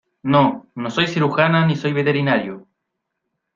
no, no soy cirujana ni soy veterinario.